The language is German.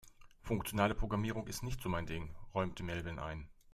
Funktionale Programmierung ist nicht so mein Ding, räumte Melvin ein.